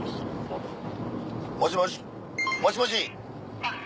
もしもしもしもし。